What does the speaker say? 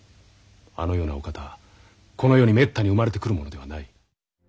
あのようなお方この世にめったに生まれてくるものではない。